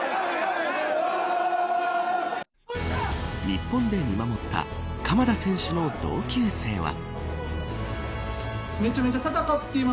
日本で見守った鎌田選手の同級生は。